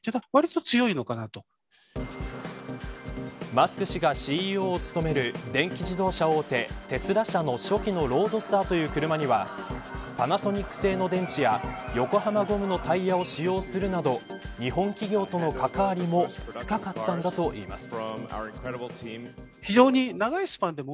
マスク氏がＣＥＯを務める電気自動車大手テスラ社の初期のロードスターという車にはパナソニック製の電池や横浜ゴムのタイヤを使用するなど日本企業との関わりも深かったのだといいます。